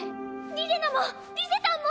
リレナもリゼたんも。